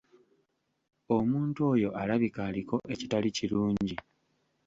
Omuntu oyo alabika aliko ekitali kirungi.